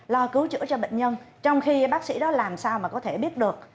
lo cứu chữa cho bệnh nhân trong khi bác sĩ đó làm sao mà có thể biết được